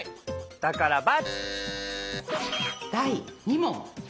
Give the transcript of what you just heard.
だから×！